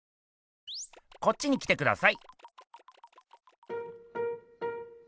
こっちに来てください。